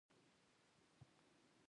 ښایست له زړه نه خلاصېږي